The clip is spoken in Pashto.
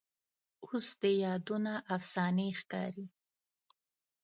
اوس دې یادونه افسانې ښکاري